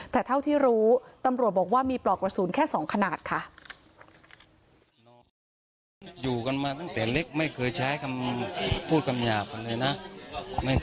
แต่เท่าที่รู้ตำรวจบอกว่ามีปลอกกระสุนแค่๒ขนาดค่ะ